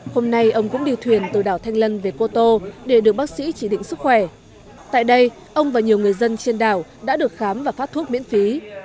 hôm nay ông cũng đi thuyền từ đảo thanh lân về cô tô để được bác sĩ chỉ định sức khỏe tại đây ông và nhiều người dân trên đảo đã được khám và phát thuốc miễn phí